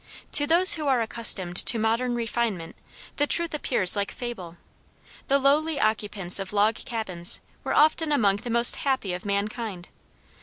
To those who are accustomed to modern refinement the truth appears like fable. The lowly occupants of log cabins were often among the most happy of mankind.